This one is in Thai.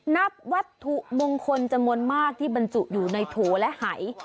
นับวัตถุมงคลจำนวนมากที่บรรจุอยู่ในโถและหาย